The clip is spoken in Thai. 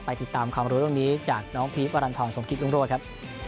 ไปติดตามความรู้ตรงนี้จากน้องพีฟวารันทรสมภิกษ์รุ่งรวดครับ